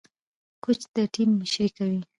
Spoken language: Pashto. کوچ د ټيم مشري کوي.